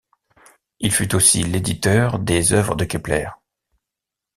Il fut aussi l'éditeur des œuvres de Kepler.